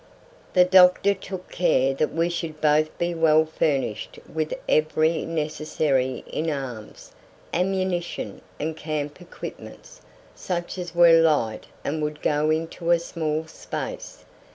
The doctor took care that we should both be well furnished with every necessary in arms, ammunition, and camp equipments, such as were light and would go into a small space.